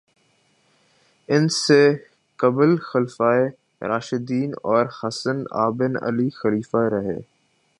ان سے قبل خلفائے راشدین اور حسن ابن علی خلیفہ رہے